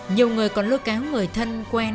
nhiều người còn lôi kéo người thân quen